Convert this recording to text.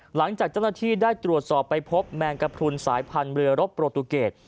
หลังจากเจ้าหน้าที่ได้ตรวจสอบไปพบแมงกระพรุนสายพันธุ์เรือรบโปรตูเกต